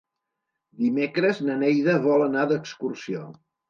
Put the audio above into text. Dimecres na Neida vol anar d'excursió.